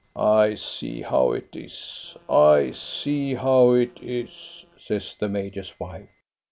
" I see how it is, I see how it is," says the major's wife.